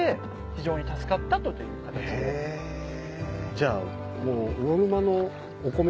じゃあもう。